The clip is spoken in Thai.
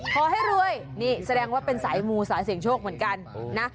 ขอให้รวยนี่แสดงว่าเป็นสายมูสายเสี่ยงโชคเหมือนกันนะ